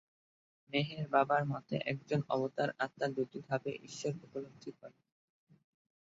মেহের বাবার মতে, একজন অবতার আত্মা দুটি ধাপে ঈশ্বর উপলব্ধি করে।